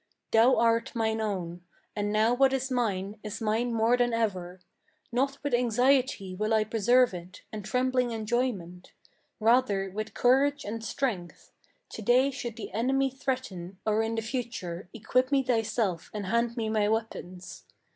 Thou art mine own; and now what is mine, is mine more than ever. Not with anxiety will I preserve it, and trembling enjoyment; Rather with courage and strength. To day should the enemy threaten, Or in the future, equip me thyself and hand me my weapons.